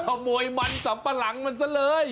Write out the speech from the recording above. ขโมยมันสัมปะหลังมันซะเลย